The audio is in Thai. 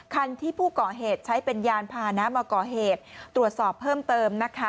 คันที่ผู้ก่อเหตุใช้เป็นยานพานะมาก่อเหตุตรวจสอบเพิ่มเติมนะคะ